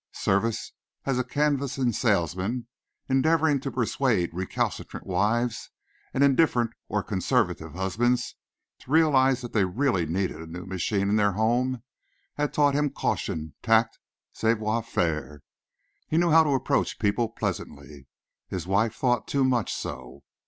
Service as a canvassing salesman, endeavoring to persuade recalcitrant wives and indifferent or conservative husbands to realize that they really needed a new machine in their home, had taught him caution, tact, savoir faire. He knew how to approach people pleasantly. His wife thought too much so.